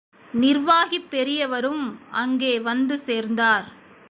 நிர்வாகிப் பெரியவரும் அங்கே வந்து சேர்ந்தார்.